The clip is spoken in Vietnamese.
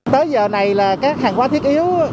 tới giờ này là các hàng hóa thiết yếu